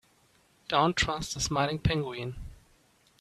Don't trust the smiling penguin.